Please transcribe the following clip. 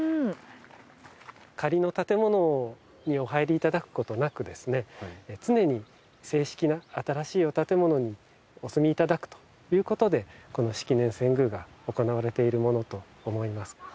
仮の建物にお入りいただくことなくですね常に正式な新しいお建物にお住みいただくということでこの式年遷宮が行われているものと思います。